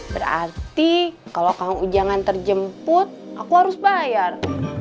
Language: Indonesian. berarti kalau kang ujangan terjemput aku harus bayar